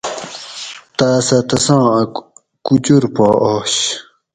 تاۤس سہۤ تساں اۤ کوچور پا آش